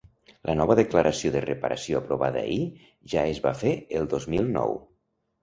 La nova declaració de reparació aprovada ahir ja es va fer el dos mil nou.